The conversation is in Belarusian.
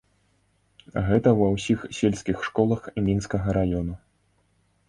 Гэта ва ўсіх сельскіх школах мінскага раёну.